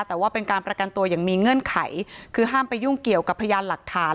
แต่ว่าเป็นการประกันตัวอย่างมีเงื่อนไขคือห้ามไปยุ่งเกี่ยวกับพยานหลักฐาน